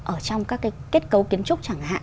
ở trong các cái kết cấu kiến trúc chẳng hạn